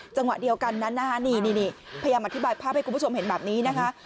จังหวะเดียวกันนั้นนะคะนี่พยายามอธิบายภาพให้คุณผู้ชมเห็นแบบนี้นะคะ